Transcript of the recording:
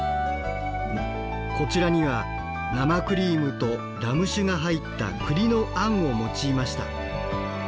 こちらには生クリームとラム酒が入った栗のあんを用いました。